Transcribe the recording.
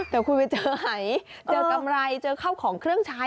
แต่คุณไปเจอหายเจอกำไรเจอเข้าของเครื่องใช้